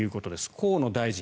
河野大臣。